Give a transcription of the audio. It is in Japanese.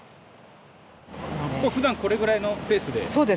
ふだんこれぐらいのペースで？